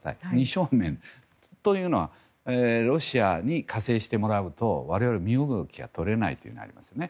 ２正面というのはロシアに加勢してもらうと我々も身動きが取れなくなりますね。